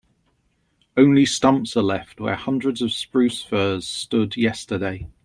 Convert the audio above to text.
Only stumps are left where hundreds of spruce firs stood yesterday.